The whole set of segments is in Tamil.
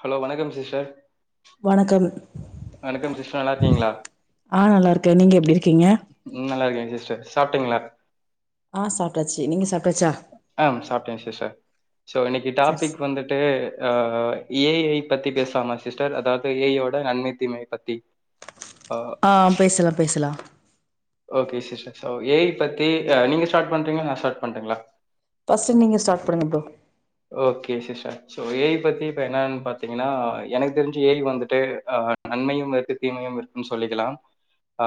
ஹலோ வணக்கம் சிஸ்டர் வணக்கம் வணக்கம் சிஸ்டர் நல்லா இருக்கீங்களா ஆ நல்லார்க்க நீங்க எப்டி இருக்கீங்க [unintelligible] சாப்ட்டீங்ளா ஆ சாப்ட்டாச்சு நீங்க சாப் அம் சாப்டேன் சிஸர் சோ இன்னக்கி சரி சரி டாப்பிக் வந்துட்டு அ ஏ ஐ பத்தி பேசலாமா சிஸ்டர் அதாவது ஏ ஐயோட நன்மை தீமை பத்தி ஆ பேசுலா பேசுலா ஓகே சிஷ் [unintelligible] ஒ ஏஇ பத்தி நீங்க ஸ்டாட் பண்றீங்ளா நா ஷாட் பண்டுங்ளா ஃபஸ்டு நீங்க ஸ்டாட் பண்னுங்க ப்ரோ ஓகே சிஷ சோ ஏஇ பத்தி இப்ப என்னான் பாத்தீங்னா எனக் தெரிஞ் ஏஇ வந்துட்டு அ நன்மையும் இருக்கு தீமையும் இருக்குன் சொல்லிக்லா அ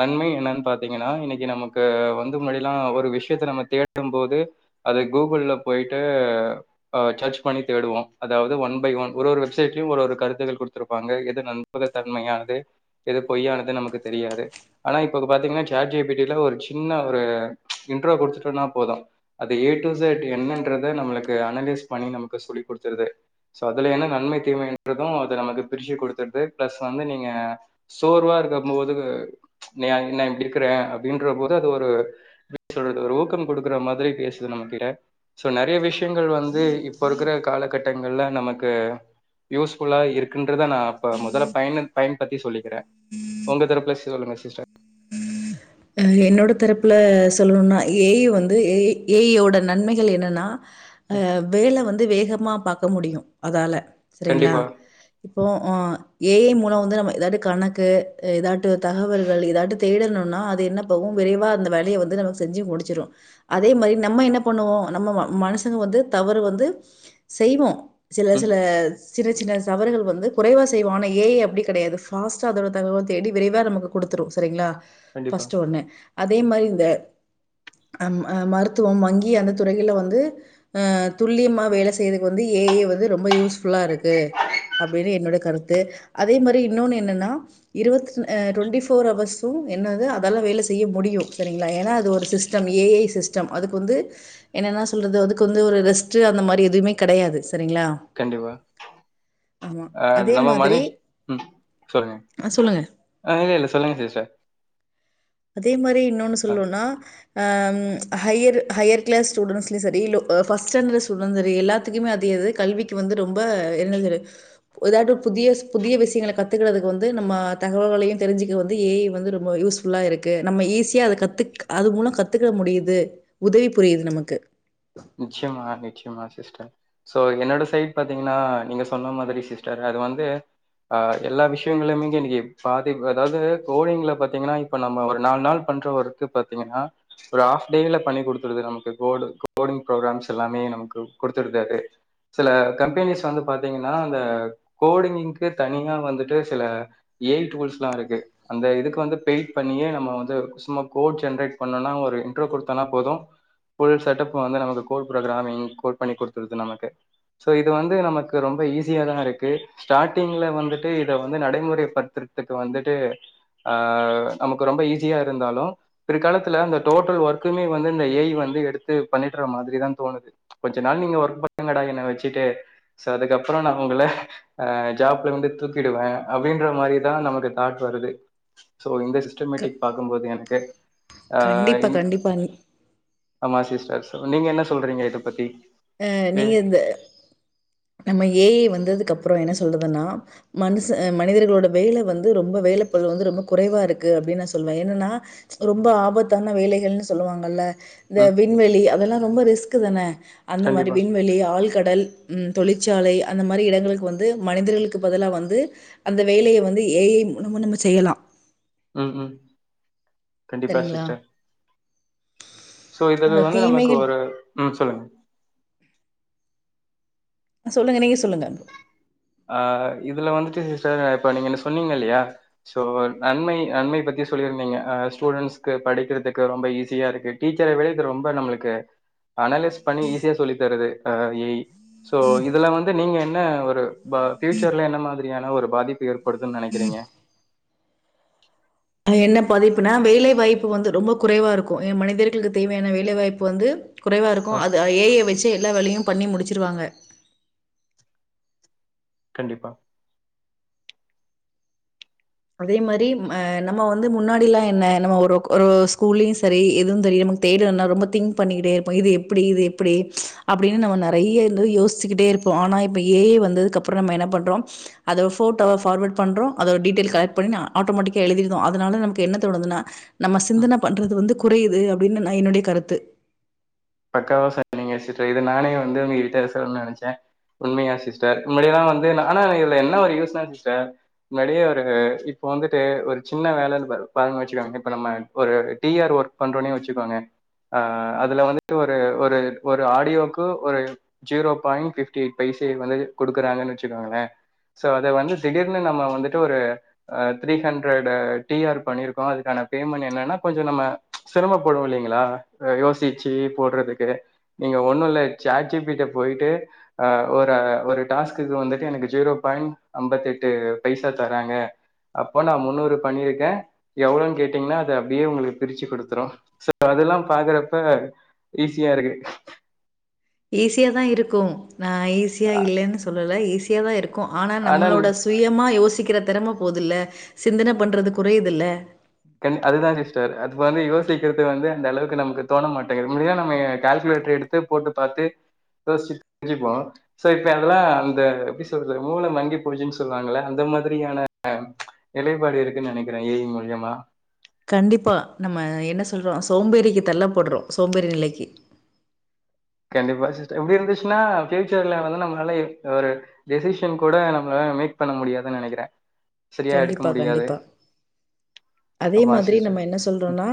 நன்மையு என்னன் பாத்தீங்கனா இன்னக்கி நமக்கு வந்து முன்னடிலா ஒரு விஷ்யத்த நம்ம தேடும் போது அது கூகுள்ள போயிட்டு சர்ச் பண்ணி தேடுவோ அதாவது ஒன் பை ஒன் ஒரு ஒரு வெப்சைட்யு ஒரு ஒரு கருத்துகள் குடுத்துருப்பாங்க எது நம்பகதன்மயானது எது பொய்யானது நமக்கு தெரியாது ஆனாகு இப்ப பாத்தீங்னா சாட் ஜிபிட்டி ல ஒரு சின்ன ஒரு இன்ட்றோ குடுத்துட்டொனா போது அது ஏ டூ ஸேட் என்னன்றது து நம்ளுக்கு அனலிஸ் பண்ணி நமக்கு சொல்லி் குடுத்துற்து சோ அதுல என்ன நன்மை தீமைன்றது அது நமக்கு பிர்ச்சு குடுத்துட்து ப்ளஸ் வந்து நீங்க சோர்வா இருக்கமோது நீ அங் ந இப்டிர்க்குற அப்டின்ற போது அது ஒரு [inaudible] ஊக்கம் குடுக்குற மாதுரி பேசுது நம கிட ஸோ நறைய விஷயங்கள் வந்து இப்போ இருக்கிற காலகட்டங்கல்ல நமக்கு யூஸ்ஃபுல்ல இருக்குன்றத நா அப்போ மொதல்ல பயன பயன்பத்தி சொல்லிக்கிறே ஒங்கள் தரப்ல சொல்லுங்க சிஸ்டர் என்னோட தெரப்ல சொல்லுணுன்னா ஏஇ வந்து ஏய் ஏய்யோட நன்மைகள் என்னென்னா அ வேல வந்து வேகமாப் பாக்க முடியு அதால சரிங்ளா கண்டிப்பா போ ஆ ஏஐ மூலோம் வந்து நம்ம ஏதாடு கணக்கு எதாட்டு தகவல்கள் இதாட்டு தேடணுன்னா அது என்னப் [unintelligible] விரைவா அந்த வெலய வந்து நமக் செஞ்சி முடிச்சிரு அதே மரி நம்ம என்ன பண்ணுவோ நம்ம ம மனுசங்க வந்து தவறு வந்து செய்வோ சில ம் சில சின்ன சின்ன சவறுகள் வந்து குறைவா செய்வோ ஆன ஏஐ அப்டி கடயாது ஃபாஸ்ட்டா அதோட தகவ தேடி விரைவா நமக்கு குடுத்துடு சரிங்ளா கண்டிப்பா அதே மாரி இந்தஅம் மருத்துவம் வங்கி அந்த துறைகள்ள வந்து அ துல்லியமா வேல செய்றதுக் வந்து ஏ ஐ வந்து ரொம்ப யூஸ்புல்லாருக்கு அப்படின்னு என்னோட கருத்து அதே மாரி இன்னொன்னு என்னன்னா இருபத் அ டொண்டி ஃபோர் ஹவர்ஸு என்னது அப் அதால வேல செய்ய முடியு சரிங்ளா ஏன்னா அது ஒரு சிஸ்டம் ஏ ஐ சிஸ்டம் அதுக்கு வந்து என்னென்னா சொல்றது அதுக்கு வந்து ஒரு ரெஸ்ட்டு அந்த மாரி எதுவுமே கெடையாது கண்டிப்பா ஆமா அ அதே நம்ம மாதிரி மணிஷ் ம் சொல்லுக அ, சொல்லுங்க ஆ இல்லஇல்ல சொல்லுங்க [unintelligible] அதே மாரி இன்னொன்னு ஆ சொல்லூனா ஆம் ஹையர் ஹையர் கிளாஸ் ஸ்டூடெண்ட்ஸ்லயு சரி பஸ்ட் ஸ்டாண்டர்ட் ஸ்டூடன்ட் சரி எல்லாத்துக்குமே அதிகது கல்விக்கு வந்து ரொம்ப என்ன ச ஏதாது புதியஸ் புதிய விஷயங்கள கத்துக்கறதுக்கு வந்து நம்ம தகவல்கையு தெரிஞ்சுக்க வந்து எ ஐ வந்து ரொம்ப யூஸ் புல்லா இருக்கு நம்ம ஈஸியா அது கத்து அது மூலோ கத்துக்க முடியுது உதவி புரியுது நமக்கு நிச்யமா நிச்யமா சிஸ்டர் சோ என்னோட சைட் பாத்தீங்னா நீங்க சொன்ன மாதுரி சிஸ்டர் அது வந்து அ எல்லா விஷ்யங்கல்யுமிங்கே இன்னிக்கி பாதிவ் அதாது கோடிங்ல பத்தீங்கனா இப்ப நம்ம ஒரு நால்நாள் பண்ற ஒர்க்கு பத்தீங்கனா ஒரு ஆஃப் டேல பண்ணி குடுத்துடுது நமக்கு கோடு கோடிங் ப்ரோக்ராம்ஸ் எல்லாமே நமக்கு குடுத்துடுது சில கம்பேனிஸ் வந்து பாத்தீங்னா அந்த கோடிங் ங்கு தனியா வந்துட்டு சில ஏய் டூல்ஸ்லாருக்கு அந்த இதுக்கு வந்து பெயிட் பண்ணியே நம்ம வந்து சும்மா கோட் ஜென்ரேட் பண்ணோனா ஒரு இன்ட்ரோ குடுத்தனா போது ஃபுள் செட்டப் நமக்கு கோட் ப்ரோக்ராமிங் கோட் பண்ணி குடுத்துட்து நமக்கு சோ இது வந்து நமக்கு ரொம்ப ஈஸியாதா இருக்கு ஸ்டாட்டிங்ல வந்துட்டு இத வந்து நடைமுறை பட்த்துற்துக்கு வந்துட்டு அ நமக்கு ரொம்ப ஈஸியா இருந்தாலு பிறுகாலத்துல அந்த டோட்டல் ஒர்க்குமே வந்து ஏஇ வந்து எடுத்து பண்ணிட்ற மாதுரி தா தோணுது கொஞ்ச நாள் நீங்க ஒர்க் பண்ணுங்கடா என்ன வச்சிட்டு சோ அதுக்கப்றோ நா ஒங்ள அ ஜாப்லே வந்து தூக்கிடுவ அப்டின்ற மாரிதா நமக்கு தாட் வருது தோ க சிஸ்டமேட்டிக் பாக்கும்போது எனக்கு அ கண்டிப்பா, இன் கண்டிப்பா. அமா சிஸ் நீங்க என்ன சொல்றிங்க இத பத்தி அ ஏ நீங்க இந்த நம்ம ஏ ஐ வந்ததுக்கப்புற என்ன சொல்றதுனா மனுச மனிதர்களோட வேல வந் ரொம்ப வேலை பளு வந்து ரொம்ப குறைவா இருக்கு அப்படின் நா சொல்வ என்னனா ரொம்ப ஆபத்தான வேலைகள்னு சொல்லுவாங்கல்ல இந்த ம் விண்வெளி அதெல்லா ரொம்ப ரிஸ்க்கு தான அந்த மாரி கண்டிப்பா விண்வெளி ஆழ் கடல் ம் தொழிற்சாலை அந்த மாரி இடங்களுக்கு வந்து மனிதர்களுக்கு பதிலா வந்து அந்த வேலைய வந்து ஏ ஐ மூலமா நம்ம செய்யலா ம் ம் கண்டிப்பா சரிங்களா? சிஸ்டர் சோ இது அந்த வந்து நமக்கு தீமைகள் ஒரு ம் சொல்லுங்க சொல்லுங்க நீங்க சொல்லுங்க அ இதுல வந்துட்டு ச இப்ப நீங்கென்ட சொன்னீங்க இல்லையா சோ நன்மை நன்மை பத்தி சொல்லிருந்தீங்க அ ஸ்டூடெண்ஸ்க்கு படிக்கிறதுக்கு ரொம்ப ஈஸியாருக்கு டீச்சர விட இது ரொம்ப நம்ளுக்கு அனலைஸ் பண்ணி ஈஸியா சொல்லி தருது அ அ இ சோ இதுல வந்து நீங்க என்ன ஒரு ப ஃபியூச்சர்ல என்ன மாதிரியான ஒரு பாதிப்பு ஏற்படுதுன் நெனைக்கிறீங்க அ என்ன பாதிப்புனா வேலை வாய்ப்பு வந்து ரொம்ப குறைவா இருக்கோ எ மனிதர்களுக்கு தேவையான வேலை வாய்ப்பு வந்து குறைவா இருக்கோ அ அது ஏ ஐ வெச் எல்லா வேலையு பண்ணி முடிச்சிருவாங்க கண்டிப்பா அதே மாரி அ நம்ம வந்து முன்னாடில்லா என்ன நம்ம ஒரு ஒரு ஸ்கூல்லியு செரி எதுவு தெரியாம நமக் தேட்றனா ரொம்ப திங்க் பண்ணிக்கிட்டே இருப்போ இது எப்பிடி இது எப்பிடி ச்ச் அப்டினு நம்ம நெறைய வந்து யோஸ்சுக்கிட்டே இருப்போ ஆனா இப்ப ஏ ஐ வந்ததுக்கப்புறம் நம்ம என்ன பண்றோ அத ஃபோட்டோவ ஃபார்வேட் பண்றோ அதோட டீட்டெல் கலெக் பண்ணினா ஆட்டோமேட்டிக்கா எழுதிருதோ அதனால நமக்கு என்ன தோணுதுனா நம்ம சிந்தன பண்றது வந்து குறையுது அப்டின் நா என்னுட்ய கருத்து பக்காவா சொன்னீங்க சிஸ்டர் இது நானே வந்து உங்ககிட்ட சொல் நெனச்சே உண்மையா சிஸ்டர் முன்னாடில்லா வந்து ஆனா இதுல என்ன ஒரு யூஸ்னா சிஸ்டர் முன்னாடியே ஒரு இப்போ வந்துட்டு ஒரு சின்ன வேலன் ப பாருங் வெச்சுக்கோங் [unintelligible] இப்ப நம்ம ஒரு டிஆர் ஒர்க் பண்றோனே வச்சுக்கோங்க அ அதுல வந் ட்ரு ஒரு ஒரு ஆடியோக்கு ஒரு ஜீரோ பாய்ண் ஃபிப்டி எய்ட் பைசே வந்துட்டு குடுக்குறாங்கன் வச்சுக்கோங்களே சோ அத வந்து திடீர்னு நம்ம வந்துட்டு ஒரு த்ரீ அ ஹண்ரட் டிஆர் பண்ணிருக்கோ அதுக்கான பேமெண்ட என்னா கொஞ்சோ நம்ம ச்ச் சிரமப்படுவோ இல்லிங்களா யோசி ச்சி போட்றதுக்கு நீங்க ஒண்ணுல சாட் ஜி பீட்ட போய்ட்டு அ ஒரு ஒரு டாஸ்குக்கு வந்துட்டு எனக்கு ஜீரோ பாயிண் அம்பத்தெட்டு பைசா தராங்க அப்போ நா முன்னூறு பண்ணிருக்கே எவ்ளோன் கேட்டீங்ன்னா அது அப்டியே உங்குளுக் பிரிச்சு குடுத்துரோ சோ அதல்லா பாக்குறப்ப ஈஸியா இருக்கு ஈஸியாதா இருக்கு நா ஈஸியா அ- இல்லேன்னு சொல்லல ஈ ஸியா தா இருக் கோ ஆனா நம்மளோட சுயமா யோசி க்கிற திறம போதுல்லே சிந்தன பண்றது குறையுதுல்ல கண்டி அதுதா சிஸ்டர் அது வந்து யோசிக்கிறது வந்து அந்த அளவுக்கு நமக்கு தோண மாட்டேங்குது முன்னாடிலா நம்ம கால்குலேட்டர் எடுத்து போட்டு பாத்து யோசிச்சு [inaudible] சோ இப்ப அதெல்லா அந்த எப்டி சொல்றது மூள மங்கி போச்சுன் சொல்வாங்கள அந்த மாதிரியான ச்ச் நிலைப்பாடு இருக்குன் நெனைக்கிறே ஏ ஐ மூல்யமா கண்டிப்பா நம்ம என்ன சொல்றோ சோம்பேறிக்கு தள்ள பட்றோ சோம்பேறி நிலைக்கு கண்டிப்பா சிஸ்டர் இப்டி இருந்துச்சுன்னா ஃபியூச்சர்ல வந்து நம்ளால எ ஒரு டெசிஷன் கூட நம்ளால மேக் பண்ண முடியாதுன் நெனைக்கிறே சரியா எடுக்க கண்டிப்பா முடியாது கண்டிப்பா அதே ஆமா மாதிரி சிஸ்டர் நம்ம என்ன சொல்றோனா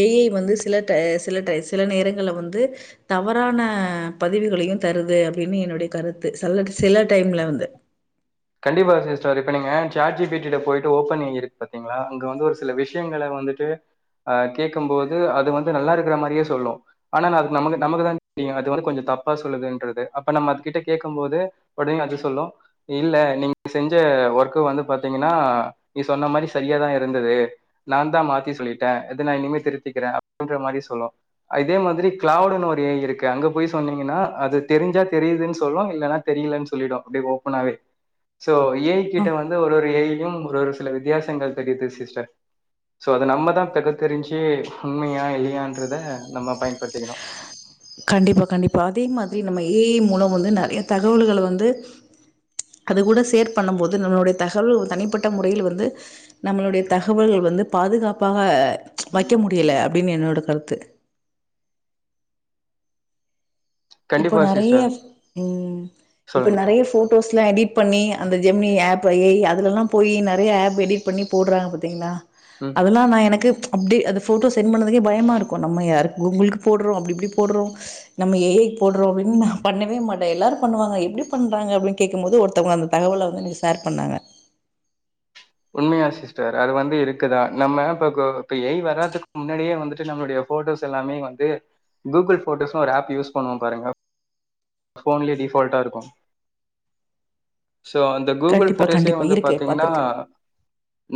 ஏ ஐ வந்து சில டை சில டை சில நேரங்கள்ல வந்து தவறான பதிவுகளையு தருது அப்டினு என்னுடைய கருத்து சல் சில டைம்ல வந்து கண்டிப்பா சிஸ்டர் இப்ப நீங்க சாட் ஜி பிடில போய்ட்டு ஓபன் இருக் பாத்தீங்ளா அங்க வந்து ஒரு சில விஷ்யங்கள வந்துட்டு அ கேக்கும்போது அது வந்து நல்லா இருக்ற மாரியே சொல்லு ஆனா நா அதுக் நமக்கு நமக்குதா ங்க அது வந்து கொஞ்சொ தப்பா சொல்லுதுன்றது அப்ப நம்ம அது கிட்ட கேக்கும் போது ஒடனே அது சொல்லு இல்ல நீங் செஞ்ச ஒர்க்க வந்து பாத்தீங்னா நீ சொன்ன மாரி செரியாதா இருந்தது நான் தா மாத்தி சொல்லிட்டே இது நா இனிமே திருத்திக்றே அப்டின்ற மாரி சொல்ல இதே மாத்ரி க்ளௌடுனு ஒரு ஏ ஐ இருக்கு அங்க போய் சொன்னீங்கன்னா அது தெரிஞ்சா தெரியுதுன் சொல்ல இல்லனா தெரியலன் சொல்லிடு அப்டே ஓப்பனாவே சோ ஏ ஐ ஆ. கிட்ட வந்து ஒரு ஒரு ஏ ஐ டியும் ஒரு ஒரு சில வித்தியாசங்கள் தெரிது சிஸ்டர் சோ அத நம்மதா தகுத்தெரிஞ்சு உண்மையா இல்லயான்றத நம்ப பயன்படுத்திக்னோ கண்டிப்பா கண்டிப்பா அதே மாத்ரி நம்ம ஏ ஐ மூலோ வந்து நெறயா தகவல்கள வந்து ச்ச் அது கூட சேர் பண்ணும் போது நம்ளுடைய தகவல் தனிப்பட்ட முறையில் வந்து நம்ளுடைய தகவல் வந்து பாதுகாப்பாக ச்ச வைக்க முடியல அப்டினு என்னோட கரு த்து இப்போ கண்டிப்பா நெறயா சிஸ்டர் ம் இப்ப சொல்லுங்க நெறயா ஃபோட்டோஸ் இத்லா எடிட் பண்ணி அந்த ஜெம்னி ஆப் ஏ ஐ அதுலலா போயி நெறயா ஆப் எடிட் பண்ணி போட்றாங்க பத்தீங்ளா ம் அதெல்லா நா எனக்கு ச்ச் அப்டே அத ஃபோட்டோ சென்ட் பண்றதுகே பயமாகருக்கோ நம்ம யாருக் கூகுள்க்கு போட்றோ அப்டி இப்டி போட்றோ நம்ம ஏ ஐ போட்றோ அப்டினு நா பண்ணவே மாட்டே எல்லாரு பண்ணுவாங்க எப்டி பண்றாங்க அப்டின் கேக்கும்போது ஒருத்வங்க அந்த தகவல வந்து எனக் சேர் பண்ணாங்க உண்மயா சிஸ்டர் அது வந்து இருக்குதா நம்ம இப்ப கு இப்ப ஏ ஐ வராதுக்கு முன்னாடியே வந்துட்டு நம்ளுடய ஃபோட்டோஸ் எல்லாமே வந்து கூகுள் ஃபோட்டோஸ்னு ஒரு ஆப் யூஸ் பண்ணுவோ பாருங்க ஃபோன்லயே டிஃபால்டா இருக்கு சோ அந்த கூகுள் கண்டிப்பா ஃபோட்டோஸே கண்டிப்பா வந்து இருக்கு பாத்தீங்னா பாத்திருக்கே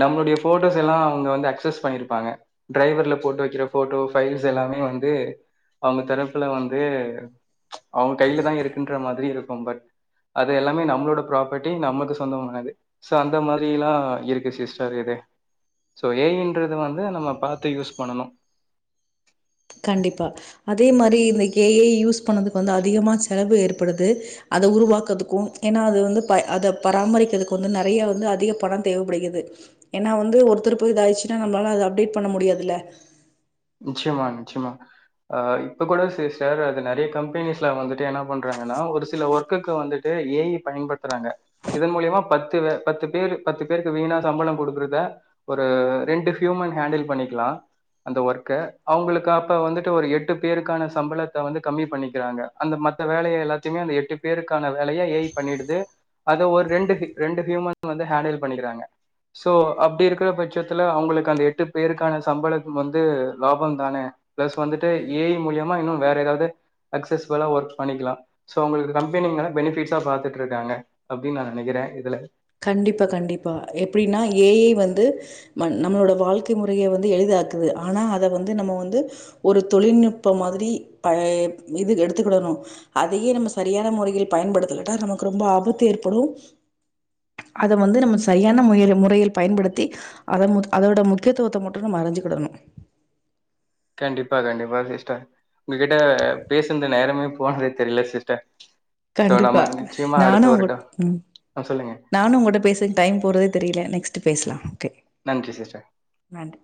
நம்ளுடய ஃபோட்டோஸ் எல்லா அவுங்க வந்து அக்சஸ் பண்ணிருபாங்க டிரைவர்ல போட்டு வைக்ற ஃபோட்டோ ஃபைல்ஸ் எல்லாமே வந்து அவுங்க தரப்ல வந்து அவ் கைலதா இருகுன்ற மாதிரி இருக்கு பட் அது எல்லாமே நம்ளோட ப்ராபர்ட்டி நமக்கு சொந்தமானது சோ அந்த மாரில்லா இருக்கு சிஸ்டர் இது சோ ஏ ஐ ன்றது வந்து நம்ம பாத்து யூஸ் பண்ணணு கண்டிப்பா அதே மாரி இந்த கே ஐ யூஸ் பண்ணதுக்கு வந்து அதிகமா செலவு ஏற்படுது அத உருவாக்றதுகு ஏன்னா அது வந்து பய அத பராமரிக்றதுகு வந்து நெறய வந்து அதிக பணோ தேவபடுகிறது ஏன்னா வந்து ஒருத்தர் போயி இதாயிடுசுனா நம்ளால அத அப்டேட் பண்ண முடியாதுல நிச்சயமா நிச்சயமா ஆ இப்ப கூட சிர் சேர் அது நெறயா கம்பெனிஸ்ல வந்துட்டு என்னா பண்றாங்னா ஒரு சில ஒர்க்குகு வந்துட்டு ஏ ஐ பயன்படுத்றாங்க இதன் மூலியமா பத்து பத்து பேரு பத்து பேருக்கு வீணா சம்பளோ குடுக்றத ஒரு ரெண்டு ஹூமன் ஹேண்டில் பண்ணிக்லா அந்த ஒர்க் க அவுங்ளுக்கு அப்ப வந்துட்டு ஒரு எட்டு பேருகான சம்பளத்த வந்து கம்மி பண்ணிக்கிறாங்க அந்த மத்த வேலய எல்லாதையுமே அந்த எட்டு பேருகான வேலய ஏ ஐ பண்ணிடுது அத ஒரு ரெண்டு ரெண்டு ஹூமன் வந்து ஹேண்டில் பண்ணிக்றாங்க சோ அப்டி இருக்ற பட்சதுல அவுங்ளுக்கு அந்த எட்டு பேருகான சம்பளம் வந்து லாபமந்தானே ப்ளஸ் வந்துட்டு ஏ ஐ மூலியமா இன்னு வேற எதாவது சக்சஸ்புல்லா ஒர்க் பண்ணிக்லா சோ அவுங்ளுக்கு கம்பெனிங்ல பெனிஃபிட்ஸா பாத்துட்ருகாங்க அப்டினு நா நெனக்றே இதல கண்டிப்பா கண்டிப்பா எப்டினா ஏ ஐ வந்து நம் நம்மளோட வாழ்க்கை முறையை வந்து எளிதாக்குது ஆனா அத வந்து நம்மோ வந்து ஒரு தொழில்நுட்ப மாதிரி பய இது எடுத்துகிடணு அதயே நம்ம சரியான முறையில் பயன்படுதலாட்டா நமக்கு ரொம்ப ஆபத்து ஏற்படு அத வந்து நம்ம செரியான முயலில் முறையில் பயன்படுத்தி அத மு அதோட முக்கியத்துவத்த மட்டு நம்ம அறிஞ்சுகிடனு கண்டிப்பா கண்டிப்பா சிஸ்டர் உங்ககிட்ட பேசுந்த நேரமே போனதே தெரியல சிஸ்டர் சோ கண்டிப்பா நம்ம நிச்சயமா நானு அடுத்த உங்க வருட்டம் ம் சொல்லுங்க நானு உங்கட்ட பேசு டைம் போறதே தெரியல நெக்ஸ்ட் பேஸ்லா ஓகே நன்றி சிஸ்டர் நன்றி